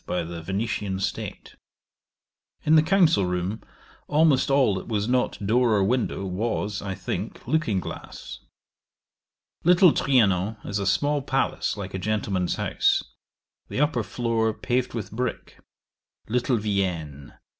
by the Venetian State. In the council room almost all that was not door or window, was, I think, looking glass. Little Trianon is a small palace like a gentleman's house. The upper floor paved with brick. Little Vienne.